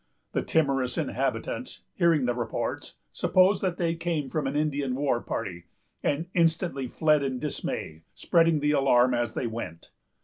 The timorous inhabitants, hearing the reports, supposed that they came from an Indian war party, and instantly fled in dismay, spreading the alarm as they went.